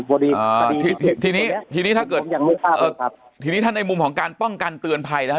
พอดีอ่าทีนี้ทีนี้ถ้าเกิดยังไม่ทราบเออครับทีนี้ถ้าในมุมของการป้องกันเตือนภัยนะฮะ